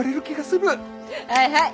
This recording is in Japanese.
はいはい！